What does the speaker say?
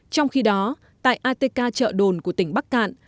trong khi đó tại atk chợ đồn của tỉnh bắc cạn